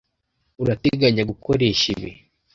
Urateganya gukoresha ibi? ?